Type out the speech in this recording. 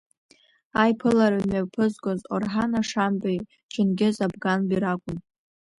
Аиԥылара мҩаԥызгоз Орҳан Ашамбеи, Џьынгьыз Абганбеи ракәын.